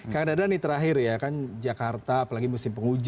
kang dadan ini terakhir ya kan jakarta apalagi musim penghujan